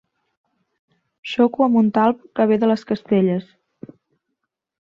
Xoco amb un talp que ve de les Castelles.